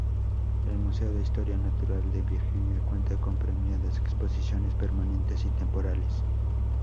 El Museo de Historia Natural de Virginia cuenta con premiadas exposiciones permanentes y temporales.